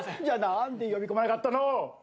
じゃあ何で呼び込まなかったの！